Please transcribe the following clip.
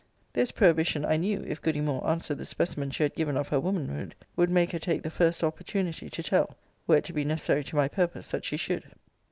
This prohibition, I knew, if goody Moore answered the specimen she had given of her womanhood, would make her take the first opportunity to tell, were it to be necessary to my purpose that she should.